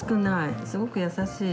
すごく優しい。